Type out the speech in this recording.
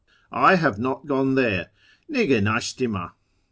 I have not gone there — Nig6 ndshtima.